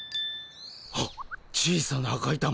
はっ小さな赤い玉。